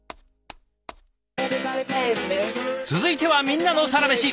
続いては「みんなのサラメシ」。